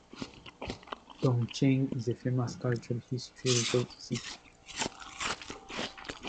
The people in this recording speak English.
Tongcheng is a famous cultural and historical city.